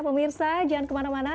pemirsa jangan kemana mana